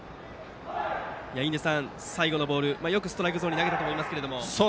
最後のボールよくストライクゾーンに投げたと思いますが。